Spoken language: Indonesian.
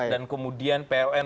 dan kemudian pln